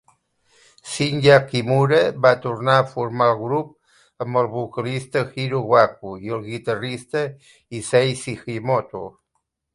Shinya Kimura va tornar a formar el grup amb el vocalista Jiro Waku i el guitarrista Issei Sugimoto.